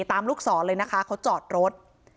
ลูกศรเลยนะคะเขาจอดรถ